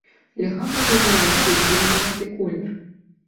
Льга было заўважыць зеленаваты колер.